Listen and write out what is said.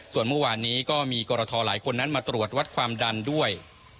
ส่วนเมื่อวานนี้ก็มีกรทหลายคนนั้นมาตรวจวัดความดันด้วย